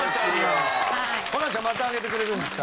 ホランちゃんまた揚げてくれるんですか。